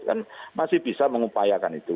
kan masih bisa mengupayakan itu